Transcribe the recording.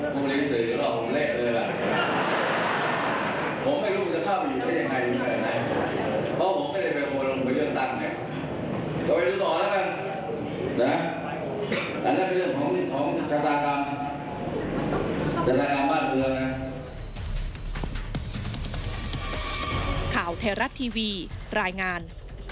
ข่าวเทราะทีวีรายงาน